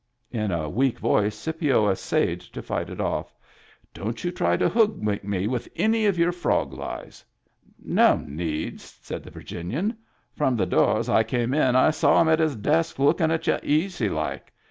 In a weak voice Scipio essayed to fight it off. " Don't you try to hoodwink me with any of your frog lies." " No need," said the Virginian. " From the door as I came in I saw him at his desk lookin' at y'u easy like.